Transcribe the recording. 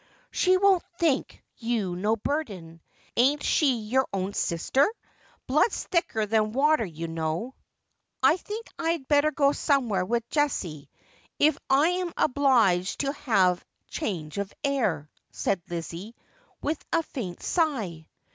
' She won't think you no burden. Ain't she your own sister ] Blood's thicker than water, you know.' ' I think I had better go somewhere with Jessie, if I am obliged to have change of air,' said Lizzie, with a faint sigh.